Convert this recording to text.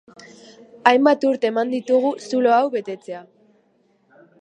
Hainbat urte eman ditugu zulo hau betetzea.